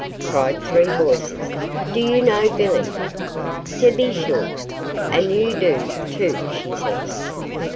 cried three voices. "Do you know Billy?" "To be sure! And you do, too, she says."